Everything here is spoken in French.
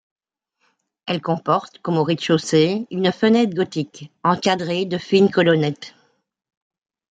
Elle comporte comme au rez-de-chaussée une fenêtre gothique encadrée de fines colonnettes.